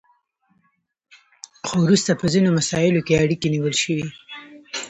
خو وروسته په ځینو مساییلو کې اړیکې نیول شوي